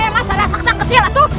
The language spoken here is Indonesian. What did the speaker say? masa raksasa kecil itu